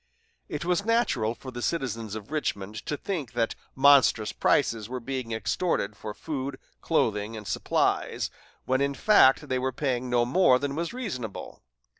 It was natural for the citizens of Richmond to think that monstrous prices were being extorted for food, clothing, and supplies, when in fact they were paying no more than was reasonable.